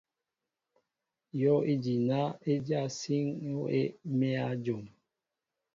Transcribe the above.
Yɔʼejina e dyá síŋ hɔʼ e mέa jom.